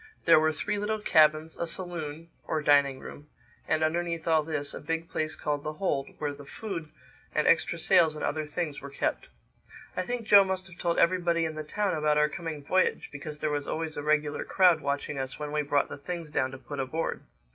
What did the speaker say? There were three little cabins, a saloon (or dining room) and underneath all this, a big place called the hold where the food and extra sails and other things were kept. I think Joe must have told everybody in the town about our coming voyage, because there was always a regular crowd watching us when we brought the things down to put aboard.